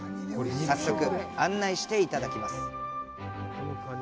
早速、案内していただきます。